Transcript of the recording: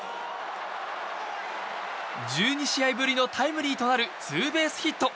１２試合ぶりのタイムリーとなるツーベースヒット！